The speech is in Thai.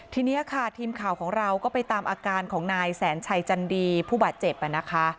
ทีนี้ค่ะทีมข่าวของเราก็ไปตามอาการของนายแสนชัยจันดีผู้บาดเจ็บนะคะ